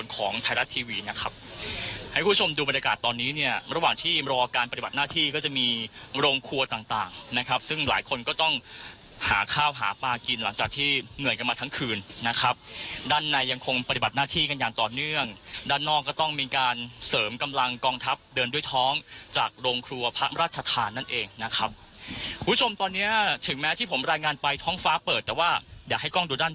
ก็จะมีโรงครัวต่างต่างนะครับซึ่งหลายคนก็ต้องหาข้าวหาปลากินหลังจากที่เหนื่อยกันมาทั้งคืนนะครับด้านในยังคงปฏิบัติหน้าที่กันอย่างต่อเนื่องด้านนอกก็ต้องมีการเสริมกำลังกองทัพเดินด้วยท้องจากโรงครัวพระราชธานั่นเองนะครับผู้ชมตอนเนี้ยถึงแม้ที่ผมรายงานไปท้องฟ้าเปิดแต่ว่าอยากให้กล้องดู